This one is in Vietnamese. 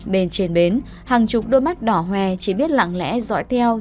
bên trên bến hàng chục đôi mắt đỏ hoe chỉ biết lặng lẽ dõi theo